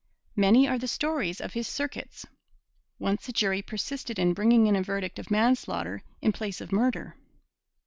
Many are the stories of his circuits. Once a jury persisted in bringing in a verdict of manslaughter in place of murder.